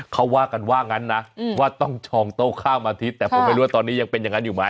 เขาว่ากันว่างั้นนะว่าต้องชองโต๊ะข้ามอาทิตย์แต่ผมไม่รู้ว่าตอนนี้ยังเป็นอย่างนั้นอยู่ไหม